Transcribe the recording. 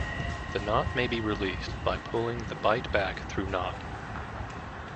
The knot may be released by pulling the bight back through knot.